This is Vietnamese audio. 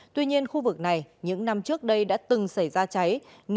tuy nhiên khu vực này những năm trước đây đã từng xảy ra cháy